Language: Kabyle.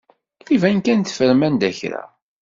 Iban kan teffrem anda n kra.